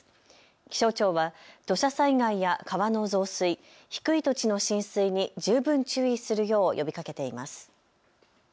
気象庁は土砂災害や川の増水、低い土地の浸水に十分注意するよう呼びかけています。